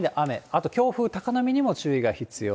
あと強風、高波にも注意が必要。